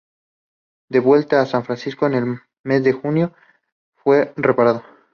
De vuelta en San Francisco en el mes de junio, fue reparado.